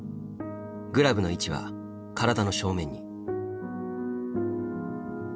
グラブの位置は体の正面に。